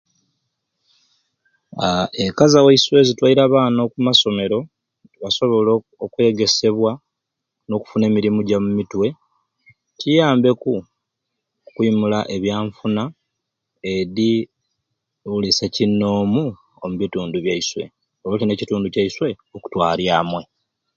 Aa eka zaiswe zitwaire abaana oku masomero basobole okwegesebwa n'okufuna emirimu gya mumitwe kiyambireku okwimula ebyanfuna edi buli sekinnoomu omubitundu byaiswe olwo te n'ekitundu kyaiswe okutwarya amwe.